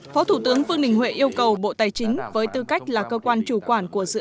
phó thủ tướng vương đình huệ yêu cầu bộ tài chính với tư cách là cơ quan chủ quản của dự án